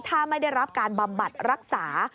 ถ้าไม่ได้รับการบำบัดรักษา